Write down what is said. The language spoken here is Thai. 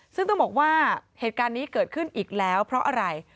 ซึ่งต้องบอกว่าเหตุการณ์นี้เกิดขึ้นอีกแล้วเพราะอะไร